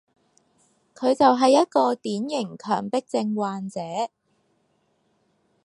佢就係一個典型強迫症患者